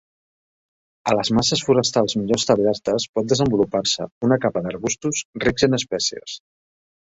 A les masses forestals millor establertes pot desenvolupar-se una capa d'arbustos rics en espècies.